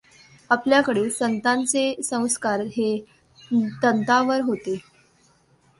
आपल्याकडील संतांचे संस्कार हे तंतांवर होते.